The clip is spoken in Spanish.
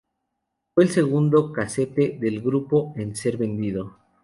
Fue el segundo casete del grupo en ser vendido.